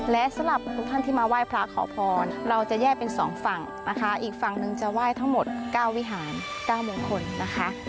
และสำหรับทุกท่านที่มาไหว้พระขอพรเราจะแยกเป็นสองฝั่งนะคะอีกฝั่งหนึ่งจะไหว้ทั้งหมด๙วิหาร๙มงคลนะคะ